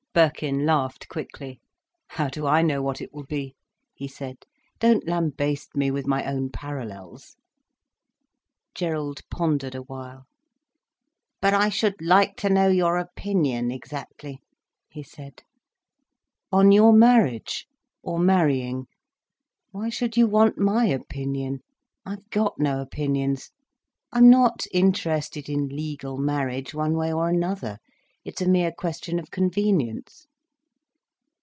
Birkin laughed quickly. "How do I know what it will be!" he said. "Don't lambaste me with my own parallels—" Gerald pondered a while. "But I should like to know your opinion, exactly," he said. "On your marriage?—or marrying? Why should you want my opinion? I've got no opinions. I'm not interested in legal marriage, one way or another. It's a mere question of convenience."